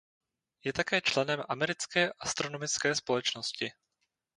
Je také členem Americké astronomické společnosti.